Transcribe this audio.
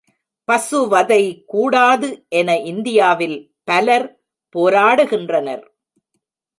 பசுவதை கூடாது என இந்தியாவில் பலர் போராடுகின்றனர்.